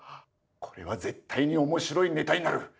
これは絶対に面白いネタになる！